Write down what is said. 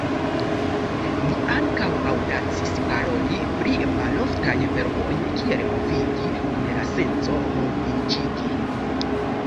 Mi ankaŭ aŭdacis paroli pri maloftaj verboj kiel "movigi" kun la senco "moviĝigi".